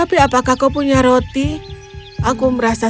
suara yang bagus di bawah